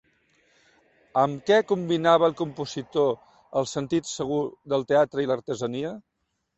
Amb què combinava el compositor el sentit segur del teatre i l'artesania?